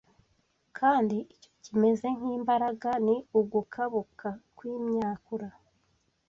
kandi icyo kimeze nk’imbaraga ni ugukabuka kw’imyakura